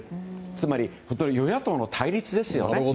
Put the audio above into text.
つまり、与野党の対立ですよね。